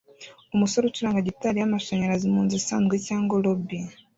Umusore acuranga gitari yamashanyarazi munzu isanzwe cyangwa lobby